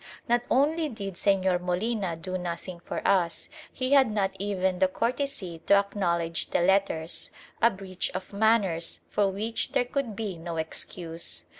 Not only did Señor Molina do nothing for us; he had not even the courtesy to acknowledge the letters; a breach of manners for which there could be no excuse.